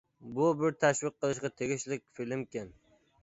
بۇ بىر تەشۋىق قىلىشقا تېگىشلىك فىلىمكەن.